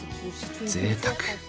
ぜいたく！